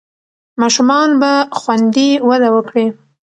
ماشومان به خوندي وده وکړي.